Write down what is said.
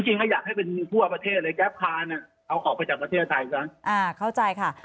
จริงอยากให้เป็นพวกประเทศแก๊ปพานั้นเอาออกไปจากประเทศไทย